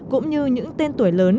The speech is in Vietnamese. cũng như những tên tuổi lớn